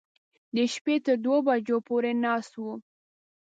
د شپې تر دوو بجو پورې ناست و.